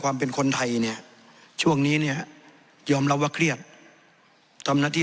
ความเป็นคนไทยเนี้ยช่วงนี้เนี้ยยอมคิดตำหน้าที่